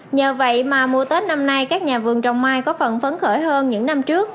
nhờ vậy mà mùa tết năm nay các nhà vườn trồng mai có phần phấn khởi hơn những năm trước